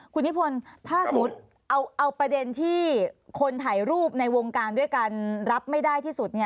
คุณนิพนธ์ถ้าสมมุติเอาประเด็นที่คนถ่ายรูปในวงการด้วยกันรับไม่ได้ที่สุด